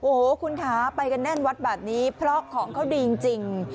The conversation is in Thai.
โอ้โหคุณคะไปกันแน่นวัดแบบนี้เพราะของเขาดีจริง